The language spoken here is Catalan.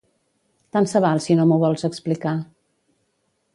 Tant se val si no m'ho vols explicar